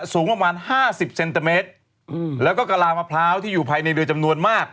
สูงประมาณห้าสิบเซนติเมตรแล้วก็กระลามะพร้าวที่อยู่ภายในเรือจำนวนมาก